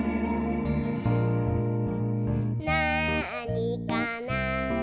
「なあにかな？」